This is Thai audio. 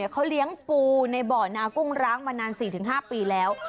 เขาเลี้ยงปูในบ่อนากุ้งร้างมานาน๔๕ปีแล้ว